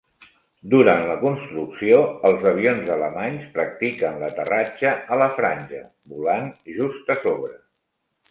Durant la construcció, els avions alemanys practiquen l'aterratge a la franja, volant just a sobre.